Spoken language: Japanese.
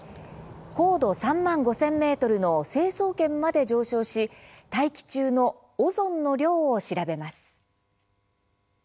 高度３万５，０００メートルの成層圏まで上昇し大気中のオゾンの量を調べます。